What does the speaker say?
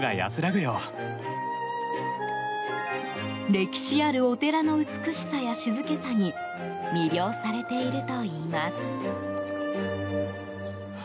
歴史あるお寺の美しさや静けさに魅了されているといいます。